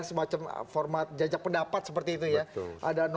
semacam format jajak pendapat seperti itu ya